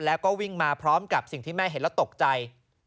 แล้วก็วิ่งมาพร้อมกับสิ่งที่แม่เห็นแล้วตกใจ